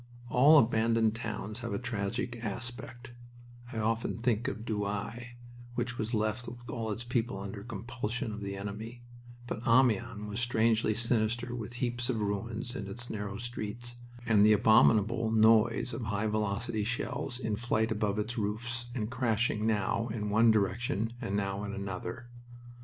All abandoned towns have a tragic aspect I often think of Douai, which was left with all its people under compulsion of the enemy but Amiens was strangely sinister with heaps of ruins in its narrow streets, and the abominable noise of high velocity shells in flight above its roofs, and crashing now in one direction and now in another.